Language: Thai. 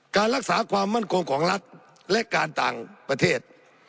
การรักษาความมั่นคงของรัฐและการต่างประเทศ